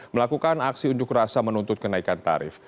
melakukan aksi unjuk rasa menuntut kenaikan tarif